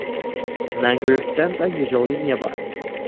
Mangrove stands are usually nearby.